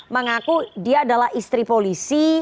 mengaku dia adalah istri polisi